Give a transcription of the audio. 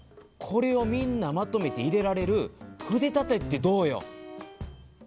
これをみんなまとめて入れられる筆立てってどうよ。